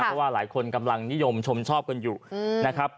เพราะว่าหลายคนกำลังนิยมชมชอบกันอยู่นะครับ